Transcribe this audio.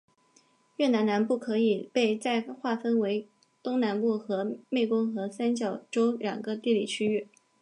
越南南部可以被再划分为东南部和湄公河三角洲两个地理区域。